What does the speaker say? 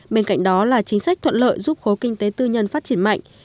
bên cạnh đó là chính sách thuận lợi giúp khối kinh tế tư nhân phát triển mạnh